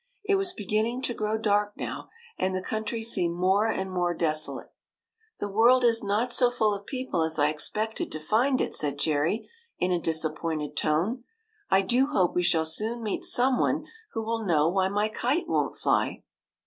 It was beginning to grow dark now, and the country seemed more and more deso late. " The world is not so full of people as I ex pected to find it," said Jerry, in a disappointed tone. " I do hope we shall soon meet some one who will know why my kite won't fly."